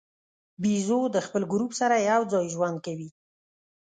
بیزو د خپل ګروپ سره یو ځای ژوند کوي.